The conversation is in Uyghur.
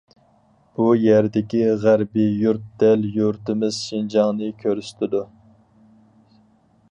بۇ يەردىكى غەربىي يۇرت دەل يۇرتىمىز شىنجاڭنى كۆرسىتىدۇ.